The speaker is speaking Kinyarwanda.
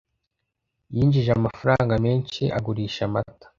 Yinjije amafaranga menshi agurisha amata